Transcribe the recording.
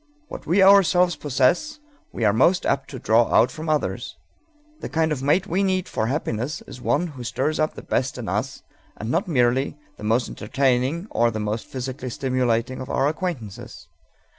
What we ourselves possess we are most apt to draw out from others. The kind of mate we need for happiness is one who stirs up the best in us, and not merely the most entertaining or the most physically stimulating of our acquaintances.